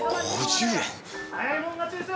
早い者勝ちですよ。